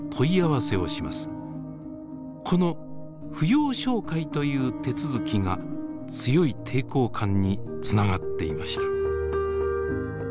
この「扶養照会」という手続きが強い抵抗感につながっていました。